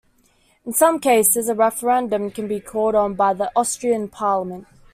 In some cases, a referendum can be called on by the Austrian Parliament.